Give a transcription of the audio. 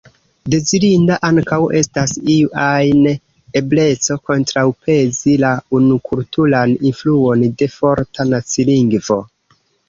Dezirinda ankaŭ estas iu ajn ebleco kontraŭpezi la unukulturan influon de forta nacilingvo.